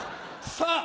さぁ